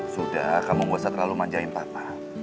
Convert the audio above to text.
sudah kamu gua saya terlalu manjain papa